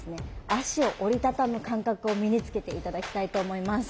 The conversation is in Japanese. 足を折り畳む感覚を身につけて頂きたいと思います。